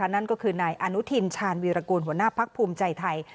นั่นก็คือนายอนุทินชาญวีรกูลหัวหน้าพักภูมิใจไทย